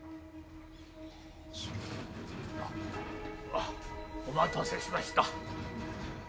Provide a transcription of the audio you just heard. あっお待たせしました。